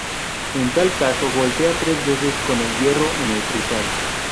En tal caso, golpea tres veces con el hierro en el cristal.